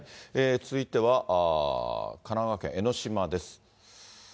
続いては神奈川県江の島です。